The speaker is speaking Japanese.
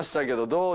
どう？